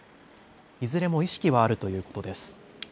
いずれも意識はあるということです。